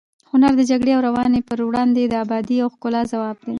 هنر د جګړې او ورانۍ پر وړاندې د ابادۍ او ښکلا ځواب دی.